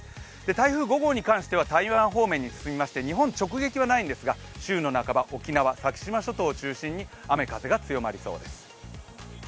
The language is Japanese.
台風５号に関しては台湾方面に進みまして日本直撃はないんですが週の半ば沖縄、先島諸島を中心に雨風が強まりそうです。